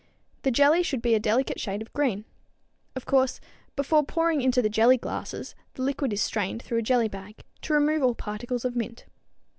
The jelly should be a delicate shade of green. Of course, before pouring into the jelly glasses, the liquid is strained through a jelly bag to remove all particles of mint.